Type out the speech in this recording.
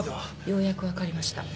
ようやく分かりました。